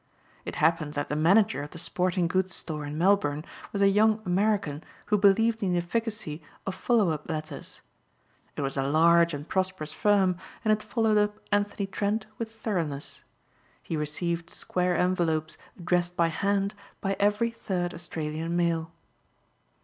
It happened that the manager of the sporting goods store in Melbourne was a young American who believed in the efficacy of "follow up" letters. It was a large and prosperous firm and it followed up Anthony Trent with thoroughness. He received square envelopes addressed by hand by every third Australian mail.